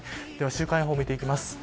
週間予報を見ていきます。